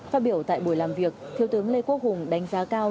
phát biểu tại buổi làm việc thiếu tướng lê quốc hùng đánh giá cao